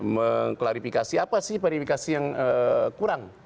mengklarifikasi apa sih verifikasi yang kurang